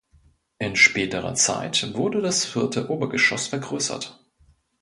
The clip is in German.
In späterer Zeit wurde das vierte Obergeschoss vergrößert.